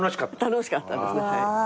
楽しかったですね。